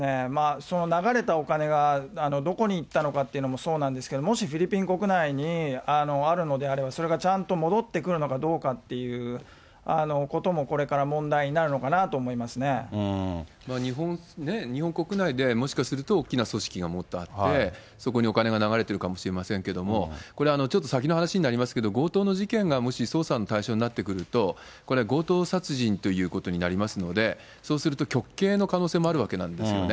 その流れたお金がどこに行ったのかというのもそうなんですけど、もしフィリピン国内にあるのであれば、それがちゃんと戻ってくるのかどうかっていうこともこれから問題日本国内で、もしかすると大きな組織がもっとあって、そこにお金が流れてるかもしれませんけど、これ、ちょっと先の話になりますけど、強盗の事件がもし捜査の対象になってくると、これ、強盗殺人ということになりますので、そうすると極刑の可能性もあるわけなんですよね。